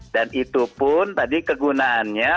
dan itu pun tadi kegunaannya